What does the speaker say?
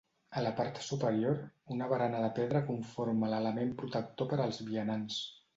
A la part superior, una barana de pedra conforma l'element protector per als vianants.